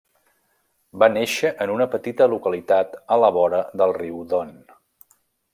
Va néixer en una petita localitat a la vora del riu Don.